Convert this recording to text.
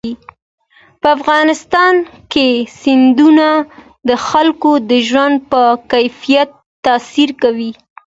په افغانستان کې سیندونه د خلکو د ژوند په کیفیت تاثیر کوي.